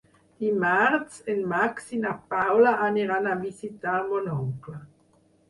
Dimarts en Max i na Paula aniran a visitar mon oncle.